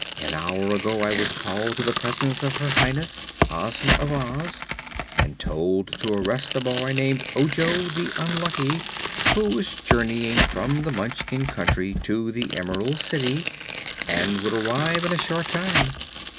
An hour ago I was called to the presence of her Highness, Ozma of Oz, and told to arrest a boy named Ojo the Unlucky, who was journeying from the Munchkin Country to the Emerald City and would arrive in a short time.